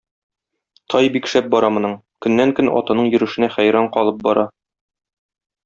Тай бик шәп бара моның: көннән-көн атының йөрешенә хәйран калып бара.